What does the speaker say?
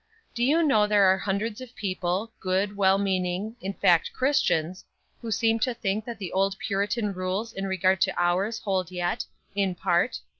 Do you know there are hundreds of people, good, well meaning in fact, Christians who seem to think that the old Puritan rules in regard to hours hold yet, in part.